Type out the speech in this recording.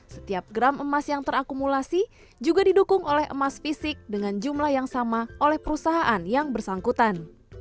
setiap gram emas yang terakumulasi juga didukung oleh emas fisik dengan jumlah yang sama oleh perusahaan yang bersangkutan